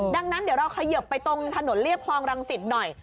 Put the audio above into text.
ดังนั้นเดี๋ยวเราเขยิบไปตรงถนนเรียบคลองรังสิตหน่อย